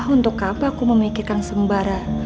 untuk apa aku memikirkan sembara